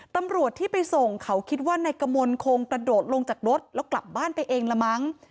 ตำรวจที่ไปส่งเขาคิดว่านายกมลคงกระโดดลงจากรถแล้วกลับบ้านไปเองละมั้ง